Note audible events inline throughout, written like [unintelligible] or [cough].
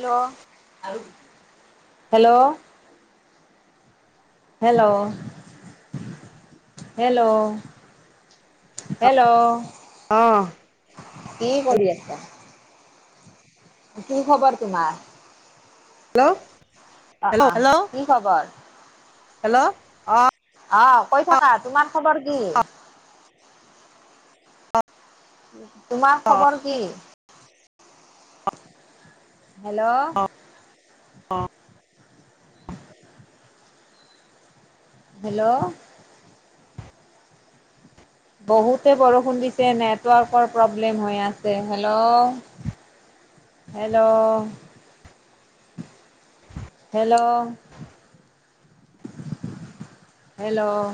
Hello hello hello hello hello অ কি কৰি আছা কি খবৰ তোমাৰ হেল্ল' অ অ হেল্ল' হেল্ল' কি খবৰ হেল্ল' অ'। অ কৈ থাকা তোমাৰ খবৰ কি তোমাৰ খবৰ কি হেল্ল' অ হেল্ল' বহুতে বৰষুণ দিছে নেটৱৰ্কৰ প্ৰব্লেম হৈ আছে হেল্ল' হেল্ল' হেল্ল' হেল্ল'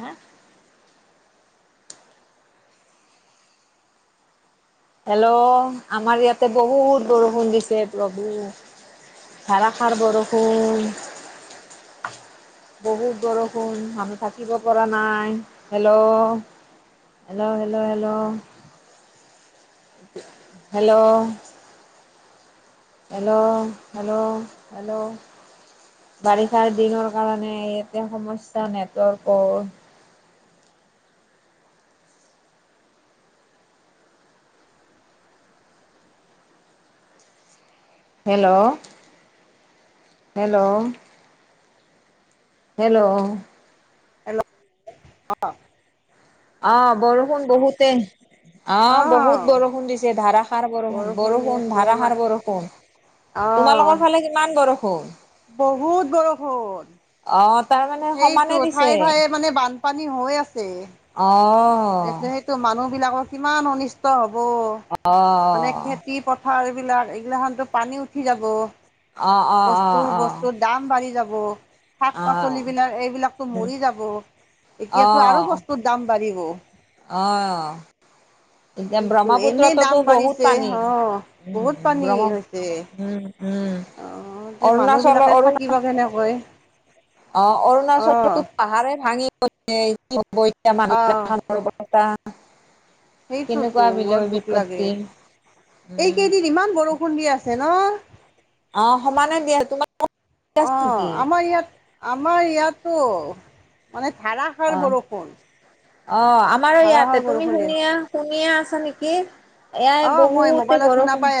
হা হেল্ল' আমাৰ ইয়াতে বহুত বৰষুণ দিছে প্ৰভু ধাৰাষাৰ বৰষুণ বহুত বৰষুণ মানুহ থাকিব পৰা নাই hello hello hello hello hello hello hello hello বাৰিষাৰ দিনৰ কাৰণে ইয়াতে সমস্যা নেটৱৰ্কৰ হেল্ল' হেল্ল' হেল্ল'। এল অ অঁ, বৰষুণ বহুতে অ, বহুত অ', বৰষুণ দিছে ধাৰা সাৰ বৰষুণ, দি বৰষুণ আছে আমাৰ ধাৰাসাৰ বৰষুণ, অ', তোমালোকৰ ফালে কিমান বৰষুণ? বহুত বৰষুণ। অঁ, তাৰ মানে সেইটো সমানে দিছে ঠায়ে ঠায়ে মানে বানপানী অঁ। এইটো সেইটো মানুহ বিলাকৰ কিমান অনিষ্ট হব মানে খ অ খেতি পথাৰ এইবিলাক এইগিলাখনতো পানী উঠি যাব। অ', অ', অ', বস্তুৰ, অ', বস্তুৰ দাম বাঢ়ি যাব। শাক-পাচলি অ', বিলাক এইবিলাকতো উম, মৰি যাব, এতিয়াতো আৰু বস্তুৰ দাম বাঢ়িব। অঁ। এতিয়া সেইটো এনেই দাম ব্ৰহ্মপুত্ৰতোতো বহুত বাঢ়িছে পানী অ বহুত ব্ৰহ্ম উম। অঁ, এ অৰুণাচলৰ মানুহবিলাকে অৰুণ থাকিব কেনেকৈ? অ, অ অৰুণাচলো পাহাৰে ভাঙি গৈছে কি হব এতিয়া অ মানুহ [inaudible] সেইটোতো কেনেকুৱা বিলৰ বৰ দুখ লাগে, বিপত্তি উম। এইকেইদিত ইমান বৰষুণ দি আছে ন? অ, সমানে দিয়া তোমাৰ অ [unintelligible] নেকি? আমাৰ ইয়াত আমাৰ ইয়াতো মানে ধাৰা অ, অঁ, আমাৰো ধাৰাসাৰ ইয়াতে তুমি বৰষুণ দি আছে শুনিয়া শুনিয়ে আছা নেকি, এয়া অ মই বহুতে মোবাইলত শুনা বৰষুণ পাই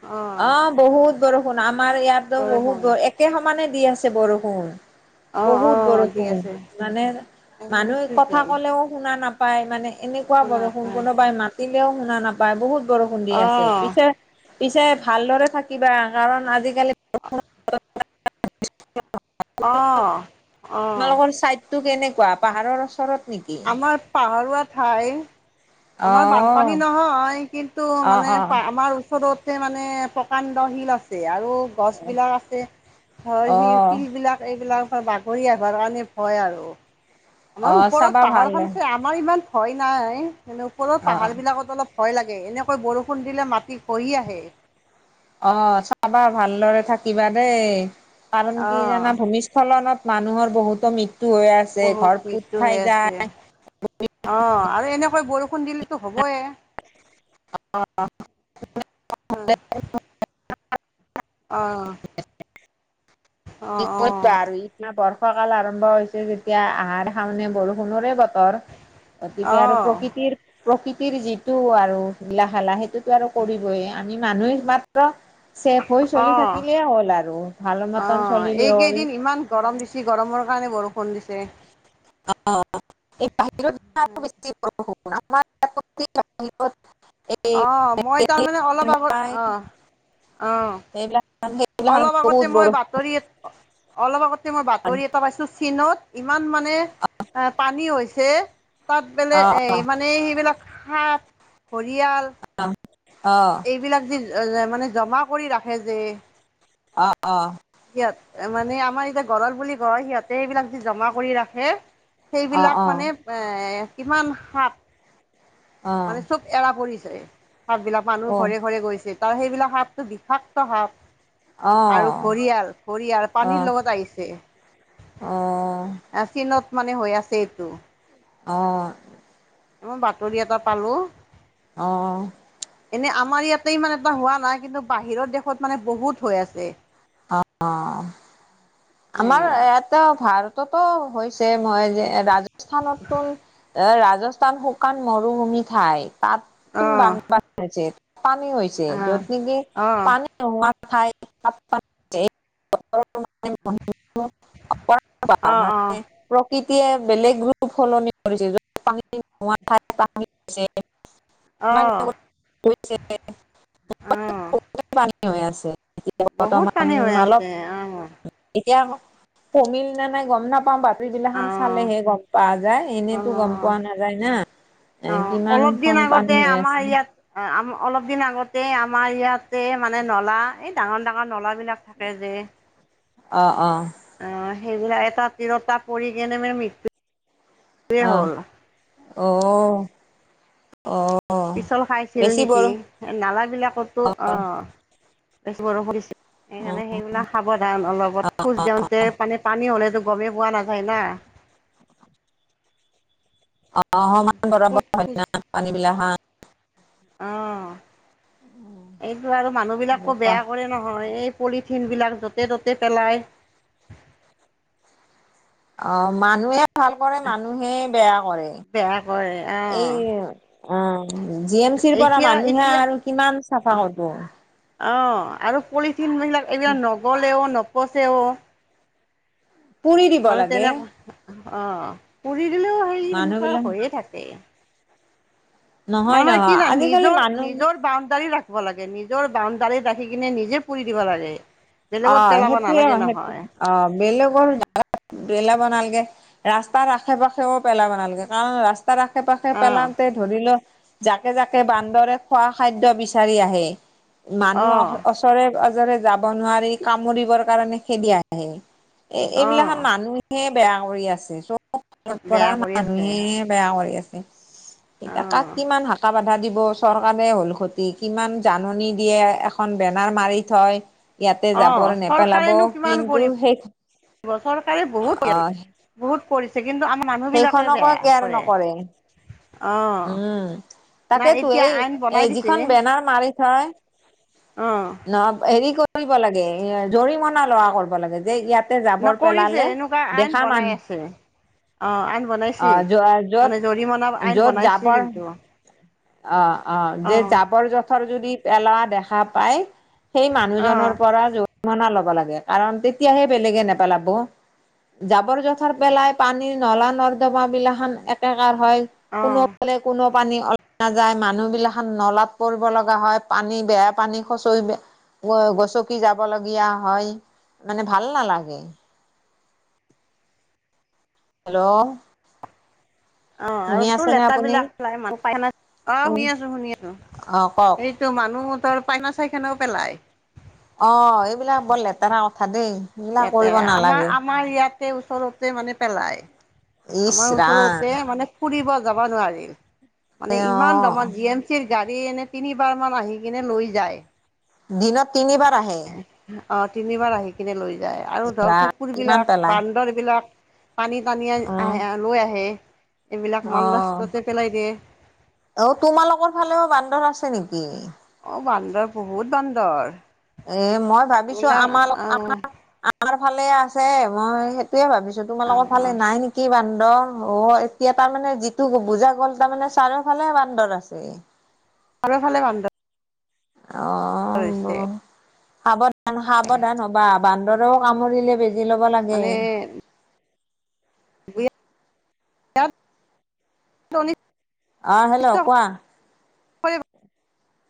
অ। অঁ, বহুত বৰষুণ আমাৰ ইয়াতো বৰষুণ বহুত একে সমানে দি আছে বৰষুণ। অ অ বহুত দি বৰষুণ আছে মানে অ মানুহে কি কথা কম ক'লেও শুনা নাপায় মানে এনেকুৱা শুনা বৰষুণ নাপায় কোনোবাই মাতিলেও শুনা নাপ বা বহুত বৰষুণ দি আছে, অ পিছে-পিছে ভালদৰে থাকিবা কাৰণ আজি অ', অ', তোমালোকৰ টো কেনেকুৱা পাহাৰৰ ওচৰত নেকি? আমাৰ পাহাৰুৱা ঠাই আমাৰ অ', বানপানী নহয় কিন্তু অ', মানে অ', পা আমাৰ ওচৰত মানে প্ৰকাণ্ড শিল আছে আৰু গছবিলাক আছে ধৰ সি অ', শিলবিলাক এইবিলাক বাগৰি আহৰ কাৰণে ভয় আৰু। আমাৰ অ', ওপৰত চাবা ভাল পাহাৰখন আছে, আমাৰ ইমান ভয় নাই, মানে ওপৰত অ', পাহাৰবিলাকত অলপ ভয় লাগে এনেকৈ বৰষুণ দিলে মাটি খহি আহে। অঁ, চাবা ভালদৰে থাকিবা দেই কাৰণ কি অ', জানা ভূমি খলনত মানুহৰ বহুতো মৃত্যু হৈ আছে বহুত ঘৰ পুত খাই যায়। অঁ, আৰু এনেকৈ বৰষুণ দিল হ'বয়ে [inaudible] অঁ। কি অ'। কৰিবা আৰু ইনা বৰ্ষ কাল আৰম্ভ হৈছে যেতিয়া আহাৰ-শাওণে বৰষুণৰে বতৰ। [inaudible] তেতিয়া আৰু অ', প্ৰকৃতিৰ প্ৰকৃতিৰ যিটো আৰু লিলা-খেলা সেইটোতো আৰু কৰিবই, আমি মানুহে মাত্ৰ ছেফ হৈ চলি অ', থাকিলেই হ'ল আৰু ভাল মতন অ', চলিলেই হ'ল এইকেইদিন ইমান গৰম দিচি গৰমৰ কাৰণে বৰষুণ দিছে অ এই বাহিৰাৰ অ মই তাৰমানে অলপ প্ৰায় আগত আহ আহ সেইবিলাক সেইবিলাক অলপ বহুত আগতে মই বৰষুণ বাতৰি অলপ আগতে মই বাতৰি এটা পাইছো চীনত ইমান মানে আ পানী হৈছে তাত বেলে অ', অ', মানে সেইবিলাক সাপ ঘৰিয়াল অ এইবিলাক যি অ অ মানে জমা কৰি ৰাখে যে অ অ ইয়াত এ মানে আমাৰ এতিয়া ঘৰৰ বুলি কয় সিহঁতে এইবিলাক যে জমা কৰি ৰাখে অ', সেইবিলাক অ', মানে এ কিমান সাপ অ', অ', অ', মানে চব এৰা পৰিছে সাপবিলাক মানুহ ঘৰে ঘৰে গৈছে তাৰ সেইবিলাক সাপটো বিষাক্ত সাপ আৰু অ', ঘৰিয়াল ঘৰিয়াল পানীৰ অ', লগত আহিছে আ চীনত মানে হৈ আছে এইটো অঁ অ বাতৰি এটা পালো অঁ এনেই আমাৰ ইয়াত মানে এটা হোৱা নাই কিন্তু বাহিৰৰ দেশত মানে বহুত হৈ আছে অ আমাৰ সেইবিলাক ইয়াতে ভাৰততো হৈছে মই যে ৰাজস্থানতো এ ৰাজস্থান শুকান মৰুভূমি ঠাই তাত টো অঁ বানপানী হৈছে অঁ য'ত নেকি অঁ পানী খাই [inaudible] অঁ মানে [inaudible] প্ৰকৃতিয়ে বেলেগ ৰূপ সলনি কৰিছে যত পানী নোহোৱা ঠাই তাত পানী অঁ মান অঁ [inaudible] অঁ পানী হৈ আছে এতিয়া বহুত বৰ্তমান পানী হৈ আছে অলপ অঁ এতিয়া কমিল নে নাই গম নাপাওঁ বাপ টোৰিবিলা খন চালেহে গম পোৱা যায় অঁ এনেতো গম অঁ পোৱা নাযায় না এ অঁ কিমান খন পানী হৈ আছে এ আম অলপ দিন আগতে আমাৰ ইয়াতে মানে নলা এই ডাঙৰ ডাঙৰ নলাবিলাক থাকে যে অ অ অ সেইবিলাক এটা তিৰতা পৰি কেনে মানে মৃত্যু আহ অ অ পিছল খাইছিল বেছি বৰ নেকিএ নালা বিলাকতো অ বেছি বৰ পৰিছ অ সেইকাৰণে সেইবিলাক সাৱধান অলপত খোজ দিওঁতে মানে পানী হ'লেতো গমেই পোৱা নাযায় না [unintelligible] অ সমান বৰৰ ক'ত হয় ন পানী বিলাক হা অ এইটো আৰু মানুহ বিলাককো কোৱা বেয়া কৰে নহয় এই পলিথিনবিলাক য'তে ত'তে পেলায় অ মানুহে ভাল কৰে মানুহে বেয়া কৰে হয় আহ এই অ জি এম চি ৰ পৰা মানুহে এতিয়া আৰু কিমান চাফা কৰব অ আৰু পলিথিনবিলাক এইবিলাক নগলেও নপচেও পুৰি দিব মানে লাগে তেনেকুৱা অ পুৰি দিলেও হেৰি মানুহ সেনেকুৱা বিলাক হৈয়ে থাকে। নহয় মানে নহয় কি নান আজিকালি নিজৰ মানুহ নিজৰ বাউণ্ডাৰী ৰা- খিব লাগে নিজৰ বাউণ্ডাৰী ৰাখি কিনে নিজে পুৰি দিব লাগে। অ বেলেগত পেলাব সেইটোয়ে নালাগে অ নহয় সেটোৱে অ বেলেগৰ জাগাত পেলাব নালাগে ৰাস্তাৰ আশে পাশেও পেলাব নালগে কাৰণ ৰাস্তাৰ আশে পাশে অ' পেলাওঁতে ধৰিল জাকে জাকে বান্দৰে খোৱা খাদ্য বিচাৰি আহে। মানুহ অ' ওচৰে পাজৰে যাব নোৱাৰি কামুৰিবৰ কাৰণে খেদি আহে। এই অ' এইবিলাকত মানুহে বেয়া কৰি আছে চকু পৰা বেয়া কৰি আছে মানুহে বেয়া কৰি আছে কাক অ' কিমান হাকা বাধা দিব চৰকাৰে হ'ল ক্ষতি কিমান জাননী দিয়ে এখন বেনাৰ মাৰি থয়। ইয়াতে অ জাবৰ নেপেলাব চৰকাৰেনো কিমান কিন্তু সেই কৰিব চৰকাৰে বহুত দিয়ে আহ বহুত কৰিছে কিন্তু আমাৰ মানুহবিলাকে সেইখনকো বেয়া কেয়াৰ কৰে নকৰে। অ' উম নাই তাকেইতো এতিয়া এই আইন বনাই এই দিছে যিখন বেনাৰ মাৰি থয় অ ন হেৰি কৰিব লাগে জৰিমনা লোৱা কৰিব লাগে যে ইয়াত নকৰিছে এনেকুৱা আইন বনাই আছে। অ আইন অ বনাইছী মানে জৰিমনা আইন বনাইছে খোৱাৰ কিন্তু অ অ যে যাপ জাবৰ জোথৰ যদি পেলোৱা দেখা পাই সেই মানুহ অ' জনৰ পৰা জৰি- মনা লব লাগে কাৰণ তেতিয়াহে বেলেগে নেপেলাব। জাবৰ-জোথৰ পেলাই পানীৰ নলা-নৰ্দমা বিলাখন একেকাৰ হয় অ ফালে কোনো পানী অল নাযায় মানুহ বিলাখন নলাত পৰিব লগা হয় পানী বেয়া পানী খচৰি গ গচকি যাব লগীয়া হয় মানে ভাল নালাগে। হেল্ল' অ আৰু শুনি তোৰ আছেনে লেটেৰা আপুনি? বিলাক [unintelligible] অ শুনি অ', আছো শুনি আছো কওক এই তো মানুহতৰ পাইনা চাইখানও পেলায় অ এইবিলাক বৰ লেতেৰা কথা দেই এইবিলাক কৰিব লেতেৰা আমাৰ নালাগে। আমাৰ ইয়াতে ওচৰতে মানে পেলায় ইচ আমাৰ ৰাম ওচৰতে মানে ফুৰিব যাব নোৱাৰি মানে ইমান অ', দমত জি এম খিৰ গাড়ী এনে তিনিবাৰ মান আহি কিনে লৈ যায়। দিনত তিনিবাৰ আহে। অ তিনিবাৰ আহি কিনে লৈ যায় আৰু ধৰ বা কিমান কুকুৰবিলাক, পেলাই বান্দৰবিলাক টানি টানিয়ে উম, আহে লৈ আহে এইবিলাক মান অ', ৰাস্তাতে পেলাই দিয়ে। অ তোমালোকৰ ফালেও বান্দৰ আছে নেকি? অ বান্দৰ বহুত বান্দৰ। এ মই ভাবিছো এইবিলাক আমাৰ আহ আমাৰ আমাৰ ফালে আছে মই তোৱে ভাবিছো অ তোমোকৰ অ ফালে নাই নেকি কি বান্দৰ অ এতিয়া তাৰমানে যিটো বুজা গ'ল তাৰমানানে চাৰিওফালে বান্দৰ আছে। চাৰিও ফালে বান্দৰ কৰিছে অ', সাৱধান সাৱধান হ'বা বান্দৰেও কামুৰিলে বেজি লব লাগে। [unintelligible] ইয়াত [unintelligible] আ, হেল্ল' কোৱা।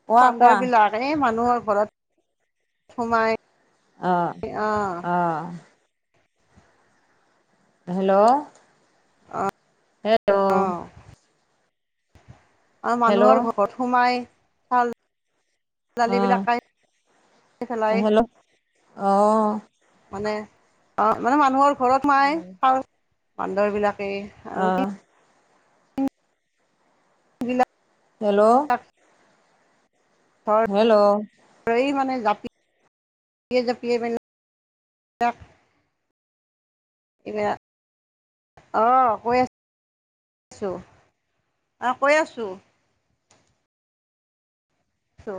কোৱা বান্দৰ কোৱা বিলাক এই মানুহৰ ঘৰত সোমাই অ', অ', হেল্ল' অ', হেল্ল' অ', আৰু হেল্ল' মানুহৰ ঘৰত সোমাই ফল ছোৱালী অ বিলাক [unintelligible] হেল্ল' অ মানে অ', মানে মানুহৰ ঘৰত সোমাই [unintelligible] বান্দৰ বিলাকে অ', বিলাপ হেল্ল' [unintelligible] হেল্ল' ৰৈ মানে জাপি জাপিয়ে জাতিয়ে মানে [unintelligible] [unintelligible] অ', কৈ আছোঁ অ কৈ আছোঁ। ছো